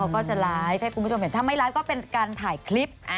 ก็จะไลฟ์ให้คุณผู้ชมเห็นถ้าไม่ไลฟ์ก็เป็นการถ่ายคลิป